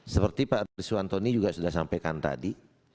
seperti pak arief suwanto ini juga sudah sampaikan tadi